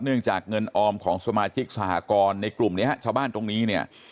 เนื่องจากเงินออมของสมาชิกสหกรณ์ในกลุ่มนี้ฮะชาวบ้านตรงนี้เนี่ย